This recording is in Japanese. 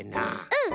うん！